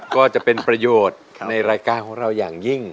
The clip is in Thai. ก็จะเป็นประโยชน์ในรายการของเราอย่างยิ่ง